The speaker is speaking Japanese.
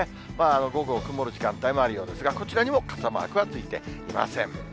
午後、曇る時間帯もあるようですが、こちらにも傘マークはついていません。